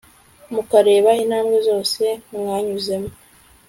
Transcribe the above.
mukareba intambwe zose mwanyuzemo